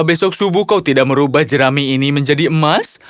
besok subuh kau tidak merubah jerami ini menjadi emas